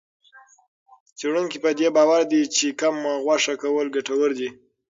څېړونکي په دې باور دي چې کم غوښه کول ګټور دي.